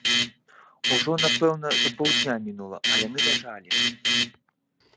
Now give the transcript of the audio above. Ужо напэўна за паўдня мінула, а яны ляжалі.